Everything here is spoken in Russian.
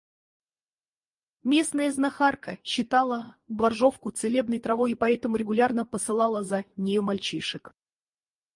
Местная знахарка считала боржовку целебной травой и поэтому регулярно посылала за нею мальчишек.